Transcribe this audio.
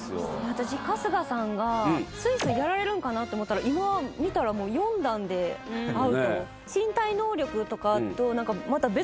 私春日さんがスイスイやられるんかなと思ったら今見たらもう４段でアウトねえと思いましたね